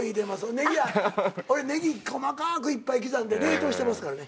ネギは俺ネギ細かくいっぱい刻んで冷凍してますからね。